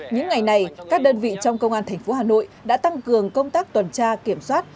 những ngày này các đơn vị trong công an tp hà nội đã tăng cường công tác tuần tra kiểm soát